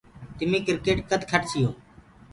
تمي ڪريٽ ڪد کٽسيو؟